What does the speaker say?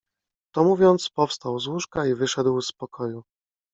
To mówiąc powstał z łóżka i wyszedł z pokoju